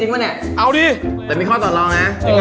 ไม่มีข้อสอดลอง